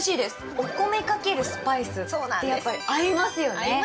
お米×スパイスってやっぱり合いますよね。